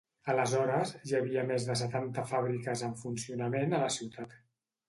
Aleshores, hi havia més de setanta fàbriques en funcionament a la ciutat.